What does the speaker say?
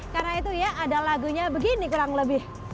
karena itu ya ada lagunya begini kurang lebih